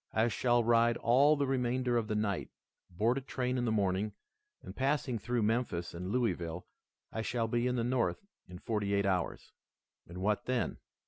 I shall ride all the remainder of the night, board a train in the morning, and, passing through Memphis and Louisville, I shall be in the North in forty eight hours." "And what then?"